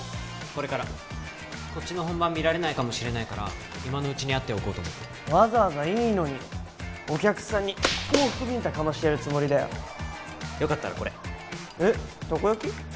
これからこっちの本番見られないかもしれないから今のうちに会っておこうと思ってわざわざいいのにお客さんに往復ビンタかましてやるつもりだよよかったらこれえったこ焼き？